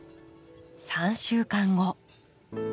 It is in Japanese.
３週間後。